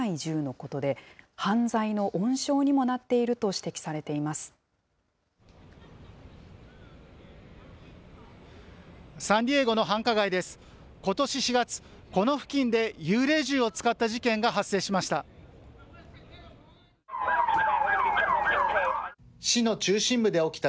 ことし４月、この付近で幽霊銃を使った事件が発生しました。